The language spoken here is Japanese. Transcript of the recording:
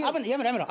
やめろ。